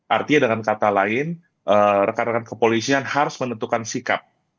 artinya dengan kata lain rekan rekan kepolisian harus menentukan sikap